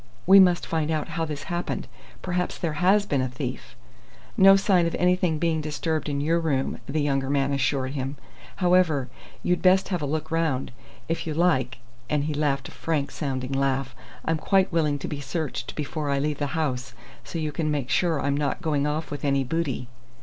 "We must find out how this happened. Perhaps there has been a thief " "No sign of anything being disturbed in your room," the younger man assured him. "However, you'd best have a look round. If you like" and he laughed a frank sounding laugh "I'm quite willing to be searched before I leave the house, so you can make sure I'm not going off with any booty."